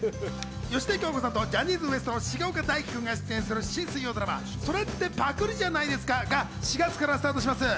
芳根京子さんとジャニーズＷＥＳＴの重岡大毅くんが出演する新水曜ドラマ『それってパクリじゃないですか？』が４月からスタートします。